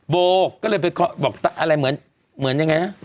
โบก็เลยไปบอกอะไรเหมือนยังไงฮะ